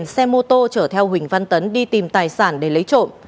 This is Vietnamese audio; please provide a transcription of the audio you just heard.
xe mô tô chở theo huỳnh văn tấn đi tìm tài sản để lấy trộm